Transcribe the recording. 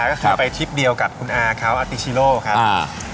ก็คือไปทริปเดียวกับคุณอาเขาอติชิโลครับอ่า